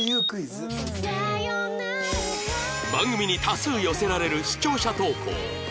番組に多数寄せられる視聴者投稿